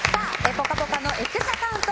「ぽかぽか」のＸアカウント